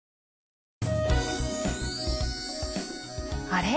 あれ？